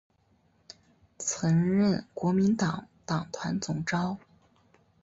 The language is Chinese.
曾任国民党党团总召。